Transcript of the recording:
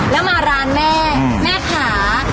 แล้วมาร้านแม่แม่ขา